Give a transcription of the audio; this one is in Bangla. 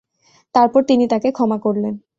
তারপর তিনি তাকে ক্ষমা করলেন।